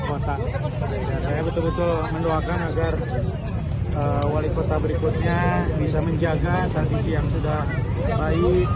kota saya betul betul mendoakan agar wali kota berikutnya bisa menjaga tradisi yang sudah baik